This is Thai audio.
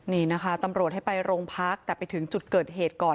นี่นะคะตำรวจให้ไปโรงพักแต่ไปถึงจุดเกิดเหตุก่อน